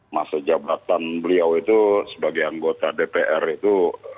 masa jabatan beliau itu sebagai anggota dpr itu